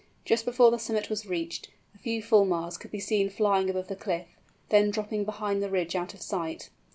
Just before the summit was reached, a few Fulmars could be seen flying above the cliff, then dropping behind the ridge out of sight.